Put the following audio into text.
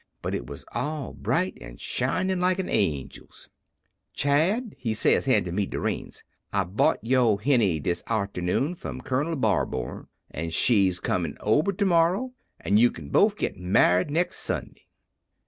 But it was all bright an' shinin' same as a' angel's. "'Chad,' he says, handin' me de reins, 'I bought yo' Henny dis arternoon from Colonel Barbour, an' she's comin' ober to morrow, an' you can bofe git married next Sunday.'"